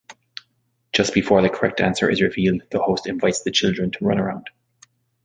Just before the correct answer is revealed, the host invites the children to Runaround...